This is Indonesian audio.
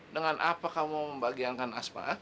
dengan apa kamu mau membahagiakan asma